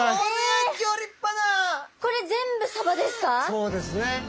そうですね。